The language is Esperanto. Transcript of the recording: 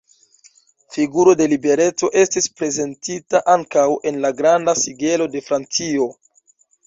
Figuro de Libereco estis prezentita ankaŭ en la Granda Sigelo de Francio.